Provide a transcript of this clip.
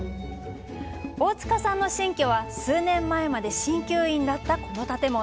大塚さんの新居は数年前までしんきゅう院だった、この建物。